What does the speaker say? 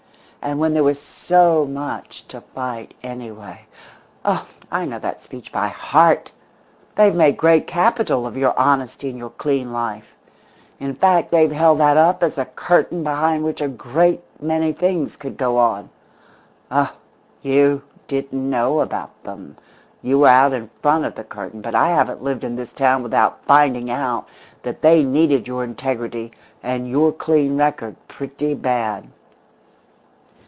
And when there was so much to fight, anyway oh, I know that speech by heart! They've made great capital of your honesty and your clean life. In fact, they've held that up as a curtain behind which a great many things could go on. Oh, you didn't know about them; you were out in front of the curtain, but I haven't lived in this town without finding out that they needed your integrity and your clean record pretty bad!